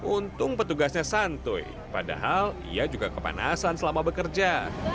untung petugasnya santai padahal ia juga kepanasan selama bekerja